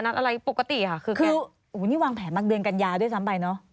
โหนี่วางแผนมาเดือนกัญญาด้วยซ้ำไปเนอะ